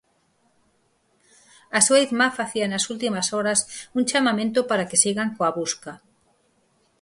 A súa irmá facía nas últimas horas unha chamamento para que sigan coa busca.